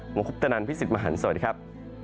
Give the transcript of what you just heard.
หมวงคุปตนันทร์พิสิทธิ์มหันศ์สวัสดีครับ